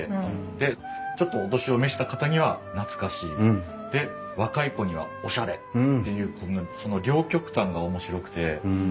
でちょっとお年を召した方には懐かしいで若い子にはおしゃれっていうその両極端が面白くて。